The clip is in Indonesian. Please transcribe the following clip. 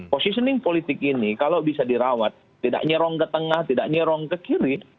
positioning politik ini kalau bisa dirawat tidak nyerong ke tengah tidak nyerong ke kiri